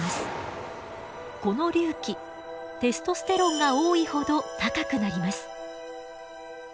この隆起テストステロンが多いほど高くなります。